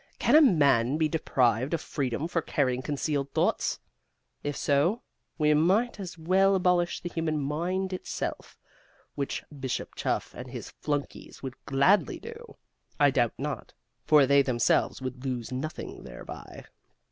Can a man be deprived of freedom for carrying concealed thoughts? If so, we might as well abolish the human mind itself. Which Bishop Chuff and his flunkeys would gladly do, I doubt not, for they themselves would lose nothing thereby."